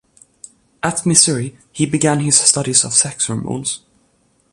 At Missouri, he began his studies of sex hormones.